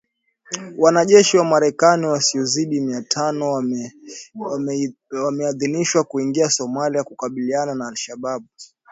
Wanajeshi wa Marekani wasiozidi mia tano wameidhinishwa kuingia Somalia kukabiliana na Al Shabaab.